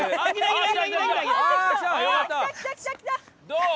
どう？